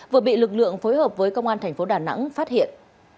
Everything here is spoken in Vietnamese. vừa bị lực lượng phối hợp với công an thành phố đà nẵng phát hiện